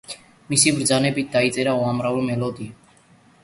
მისი ბრძანებით დაიწერა უამრავი მელოდია.